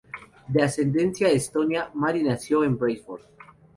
De ascendencia estonia, Mary nació en Bradford.